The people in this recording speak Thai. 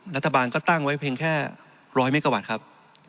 รัฐบาลก็ตั้งไว้เพียงแค่๑๐๐เมกะวัตต์ครับ